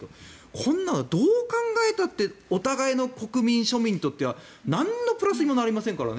こんなのどう考えたってお互いの国民、庶民にとってはなんのプラスにはなりませんからね。